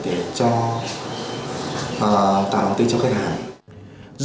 để tạo nồng tin cho khách hàng